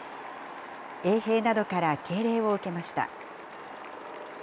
衛兵などから敬礼を受けました。